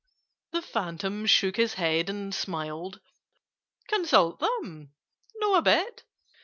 The Phantom shook his head and smiled. "Consult them? Not a bit!